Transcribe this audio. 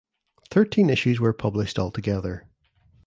Thirteen issues were published altogether.